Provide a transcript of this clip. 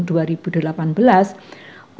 untuk kasus semangki satu beliau mengatakan